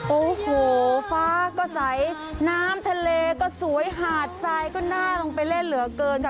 โอ้โหฟ้าก็ใสน้ำทะเลก็สวยหาดทรายก็น่าลงไปเล่นเหลือเกินค่ะ